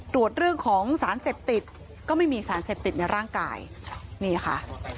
ตรวจเรื่องของสารเสพติดก็ไม่มีสารเสพติดในร่างกายนี่ค่ะ